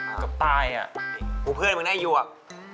อ่ากับตายอ่ะปูเพื่อนมึงน่ะไอ้หยวก